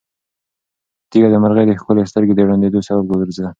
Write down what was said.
تیږه د مرغۍ د ښکلې سترګې د ړندېدو سبب وګرځېده.